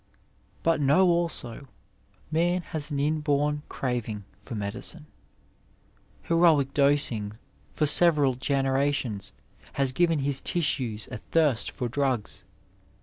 But know also, man has an inborn craving for medicine. Heroic dosing for several generations has given his tissues a thirst for drugs.